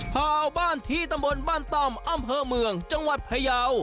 ชาวบ้านที่ตำบลบ้านต้อมอำเภอเมืองจังหวัดพยาว